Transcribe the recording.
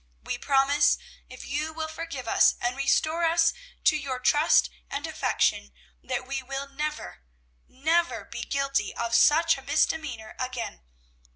We promise, if you will forgive us, and restore us to your trust and affection, that we will never, NEVER be guilty of such a misdemeanor again.